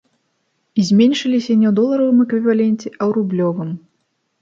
І зменшыліся не ў доларавым эквіваленце, а ў рублёвым.